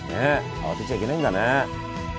慌てちゃいけないんだね。